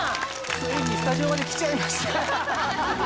ついにスタジオまで来ちゃいました。